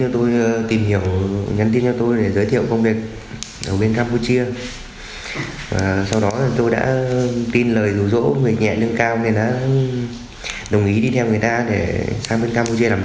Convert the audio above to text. tôi đã đồng ý đi theo người ta để sang campuchia làm việc